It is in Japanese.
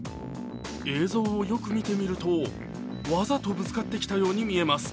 映像をよく見てみると、わざとぶつかってきたように見えます。